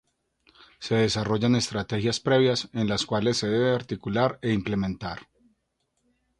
Se desarrollan estrategias previas en las cuales se debe articular e implementar.